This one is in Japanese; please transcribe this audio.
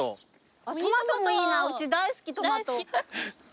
トマトもいいなうち大好きトマト。